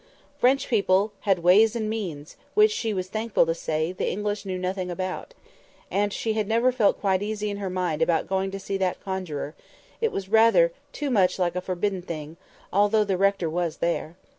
French people had ways and means which, she was thankful to say, the English knew nothing about; and she had never felt quite easy in her mind about going to see that conjuror—it was rather too much like a forbidden thing, though the rector was there.